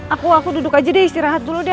aku aku duduk aja deh istirahat dulu deh